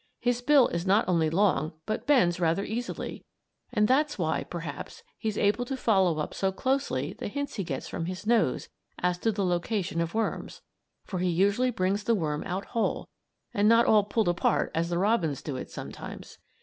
His bill is not only long, but bends rather easily and that's why, perhaps, he's able to follow up so closely the hints he gets from his nose as to the location of worms, for he usually brings the worm out whole, and not all pulled apart as the robins do it sometimes.